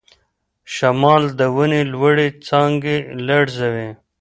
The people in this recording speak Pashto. شمال د ونې لوړې څانګې لړزوي.